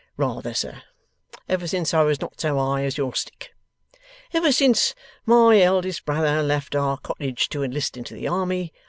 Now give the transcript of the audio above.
Rather, sir! Ever since I was not so high as your stick. Ever since my eldest brother left our cottage to enlist into the army.